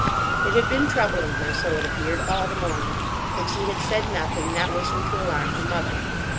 It had been troubling her, so it appeared, all the morning; but she had said nothing, not wishing to alarm her mother.